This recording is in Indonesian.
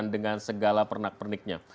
dengan segala pernak perniknya